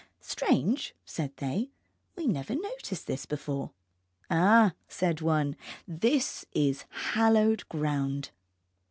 Strange, said they, we never noticed this before. Ah, said one, this is hallowed ground.